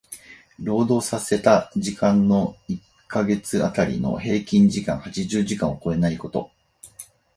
労働させた時間の一箇月当たりの平均時間八十時間を超えないこと。